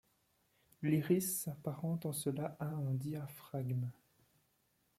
L'iris s'apparente en cela à un diaphragme.